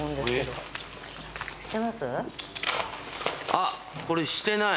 あっこれしてない。